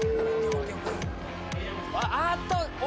あーっと！